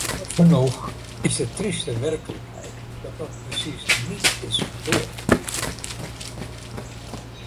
Jammer genoeg is de trieste werkelijkheid dat dat precies niet is gebeurd.